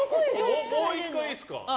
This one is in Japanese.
もう１回いいですか？